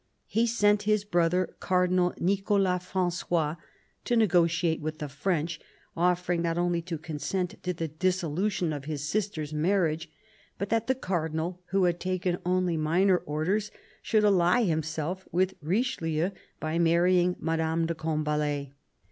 He sent his brother, Cardinal Nicolas Frangois, to negotiate with the French, offering not only to consent to the dissolution of his sister's marriage, but that the Cardinal, who had taken only minor orders, should ally himself with Richelieu by marrying Madame de Combalet.